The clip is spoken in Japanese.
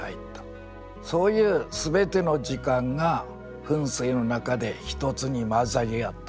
そういう全ての時間が噴水のなかで一つに混ざり合った。